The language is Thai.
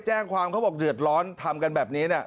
แจ้งความเขาบอกเดือดร้อนทำกันแบบนี้เนี่ย